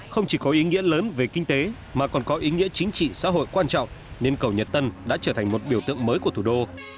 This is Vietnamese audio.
không chỉ có ý nghĩa lớn về kinh tế mà còn có ý nghĩa chính trị xã hội quan trọng nên cầu nhật tân đã trở thành một biểu tượng mới của thủ đô